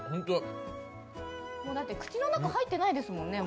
だって口の中、入ってないですもんね。